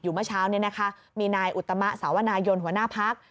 เมื่อเช้านี้นะคะมีนายอุตมะสาวนายนหัวหน้าพัก